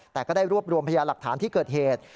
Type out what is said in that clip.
แต่ก็ได้รวบรวมพยาหลักฐานที่เกิดเหตุ